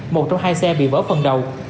một trong hai xe bị vỡ phần đầu